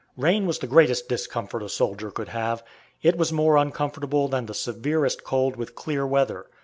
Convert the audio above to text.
Rain was the greatest discomfort a soldier could have; it was more uncomfortable than the severest cold with clear weather.